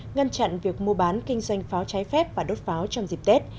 ngăn chặn việc mua bán kinh doanh pháo trái phép và đốt pháo trong dịp tết